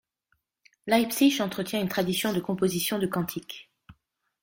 Leipzig entretient une tradition de composition de cantiques.